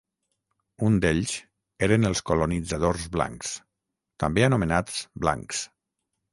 Un d'ells eren els colonitzadors blancs, també anomenats "blancs".